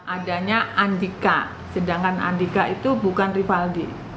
adanya andika sedangkan andika itu bukan rivaldi